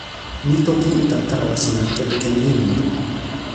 mi toki uta tawa sina kepeken linluwi.